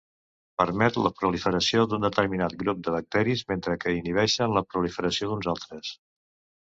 Permet la proliferació d'un determinat grup de bacteris mentre que inhibeix la proliferació d'uns altres.